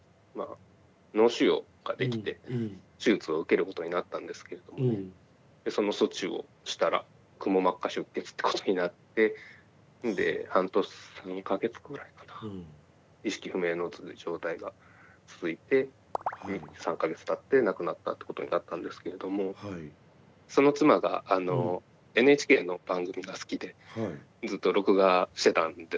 脳腫瘍ができて手術を受けることになったんですけどその措置をしたらくも膜下出血ってことになって半年３か月くらいかな意識不明の状態が続いて３か月たって亡くなったってことになったんですけれどもその妻がＮＨＫの番組が好きでずっと録画してたんですね。